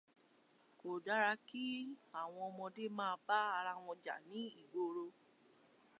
Kò dára kí àwọn ọmọdé máa bá ara wọn jà ní ìgboro.